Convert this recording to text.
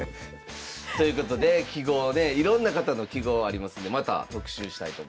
ということで揮毫ねいろんな方の揮毫ありますんでまた特集したいと思います。